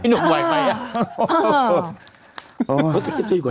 นี่แหละ